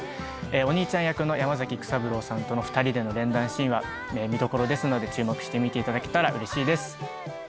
お兄ちゃん役の山崎育三郎さんとの２人での連弾シーンは見どころですので注目して見ていただけたらうれしいです。